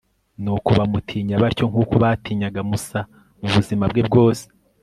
nuko bamutinya batyo nk'uko batinyaga musa mu buzima bwe bwose